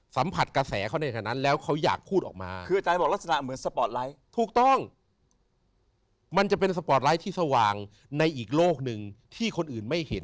สัมผัสกระแสเขาในขณะนั้นแล้วเขาอยากพูดออกมา